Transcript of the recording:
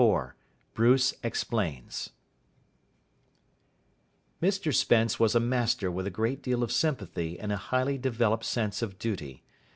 XXIV BRUCE EXPLAINS Mr Spence was a master with a great deal of sympathy and a highly developed sense of duty.